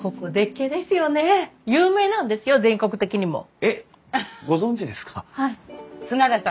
えっご存じですか？